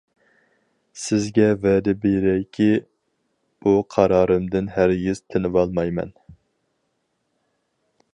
سىزگە ۋەدە بېرەيكى، بۇ قارارىمدىن ھەرگىز تېنىۋالمايمەن.